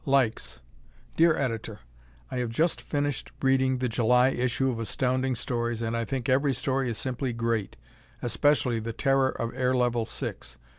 Likes Dear Editor: I have just finished reading the July issue of Astounding Stories and I think every story is simply great, especially "The Terror of Air Level Six."